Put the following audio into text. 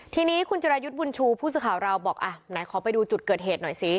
ทีนี้คุณจิรายุทธ์บุญชูผู้สื่อข่าวเราบอกอ่ะไหนขอไปดูจุดเกิดเหตุหน่อยสิ